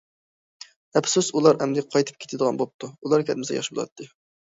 ئەپسۇس، ئۇلار ئەمدى قايتىپ كېتىدىغان بوپتۇ، ئۇلار كەتمىسە ياخشى بولاتتى.